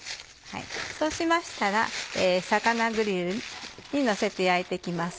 そうしましたら魚グリルにのせて焼いて行きます。